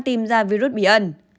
tìm ra virus bí ẩn